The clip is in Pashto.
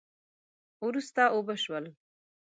وروسته اوبه شول